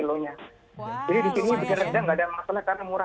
wah lumayan ya jadi di sini bisa redang nggak ada masalah karena murah